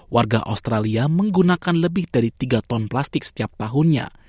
warga australia menggunakan lebih dari tiga ton plastik setiap tahunnya